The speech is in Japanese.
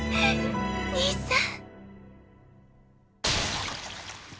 兄さん。